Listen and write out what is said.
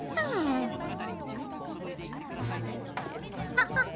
ハ。ハハハ。